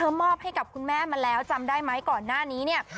มาแล้วมอบให้กับคุณแม่จำได้ไหมก่อนหน้านี้เนี่ย